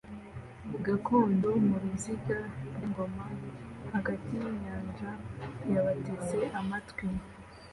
gakondo muruziga rw'ingoma hagati yinyanja yabateze amatwi